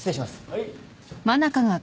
はい。